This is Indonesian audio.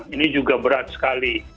ini juga berat sekali